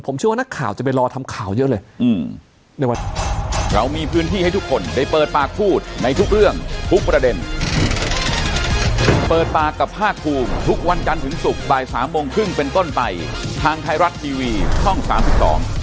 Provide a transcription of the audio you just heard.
ผมเชื่อว่านักข่าวจะไปรอทำข่าวเยอะเลยอืม